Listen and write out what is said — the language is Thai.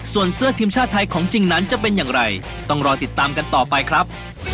ส่วนเสื้อทีมชาติไทยของจริงนั้นจะเป็นอย่างไรต้องรอติดตามกันต่อไปครับ